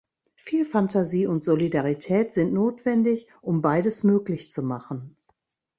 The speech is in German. Viel Phantasie und Solidarität sind notwendig, um beides möglich zu machen.